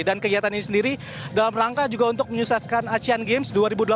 dan kegiatan ini sendiri dalam rangka juga untuk menyusahkan asian games dua ribu delapan belas